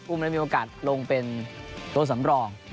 อุ้มมันได้มีโอกาสลงเป็นตัวสำรอง